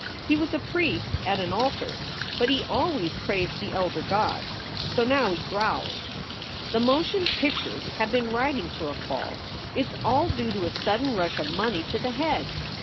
He was a priest at an altar, but he always praised the elder gods. So now he growled. "The motion pictures have been riding for a fall. It s all due to a sudden rush of money to the head.